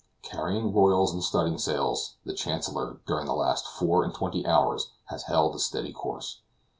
Carrying royals and studding sails, the Chancellor during the last four and twenty hours has held a steady course.